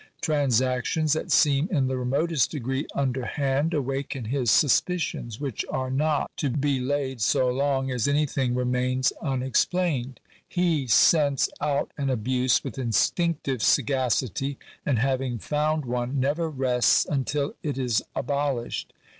Transactions that seem in the remotest degree underhand awaken his sus picions, which are not be laid so long as anything remains unexplained. He scents out an abuse with instinctive saga city, and having found one, never rests until it is abolished.